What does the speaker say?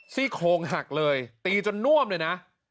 ซี่โครงหักเลยตีจนน่วมเลยนะ